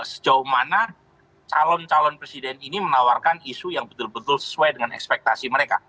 sejauh mana calon calon presiden ini menawarkan isu yang betul betul sesuai dengan ekspektasi mereka